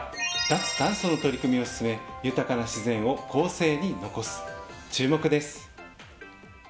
脱炭素の取り組みを進め豊かな自然を後世に残す注目です。